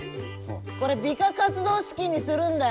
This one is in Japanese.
これ美化活動資金にするんだよ！